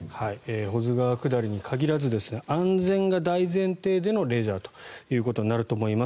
保津川下りに限らず安全が大前提でのレジャーということになると思います。